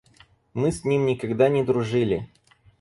Мы с ним никогда не дружили.